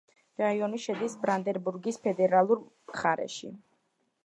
რაიონი შედის ბრანდენბურგის ფედერალურ მხარეში.